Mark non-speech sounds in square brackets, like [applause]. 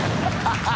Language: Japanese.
ハハハ [laughs]